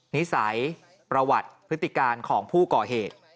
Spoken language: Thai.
นิสัยประวัติพฤติการของผู้ก่อเหตุ